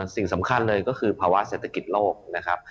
สิ่งสำคัญเลยก็คือภาวะเศรษฐกิจโลกนะครับ